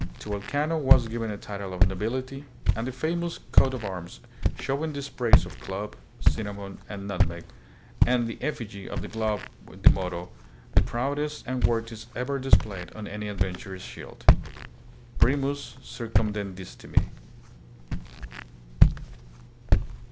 To Elcano was 84 THE PHILIPPINES. given a title of nobility and the famous coat of arms, showing the sprays of clove, cinnamon, and nutmeg, and the effigy of the globe with the motto, the proudest and worthiest ever displayed on any adventurer's shield, Primus circumdedisti me.